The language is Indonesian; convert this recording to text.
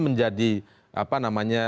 menjadi apa namanya